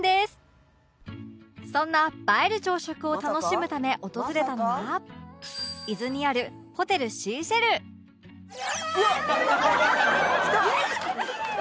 そんな映える朝食を楽しむため訪れたのは伊豆にある「うわっきた！」